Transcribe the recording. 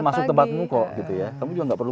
masuk tempatmu kok kamu juga tidak perlu